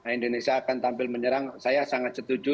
indonesia akan tampil menyerang saya sangat setuju